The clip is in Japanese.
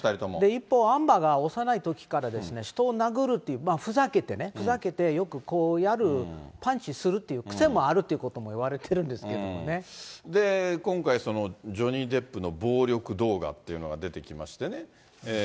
一方、アンバーが幼いときから人を殴る、ふざけてね、ふざけてよくこうやる、パンチするっていう癖もあるということも言われているんですけど今回、ジョニー・デップの暴力動画というのが出てきましてね。